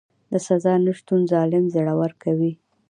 د سزا نشتون ظالم زړور کوي.